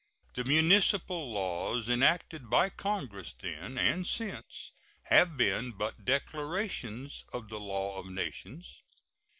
The municipal laws enacted by Congress then and since have been but declarations of the law of nations.